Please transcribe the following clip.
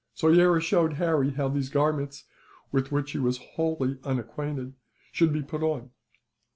Soyera showed Harry how these garments, with which he was wholly unacquainted, should be put on.